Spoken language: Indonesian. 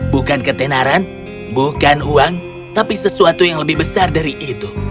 bukan ketenaran bukan uang tapi sesuatu yang lebih besar dari itu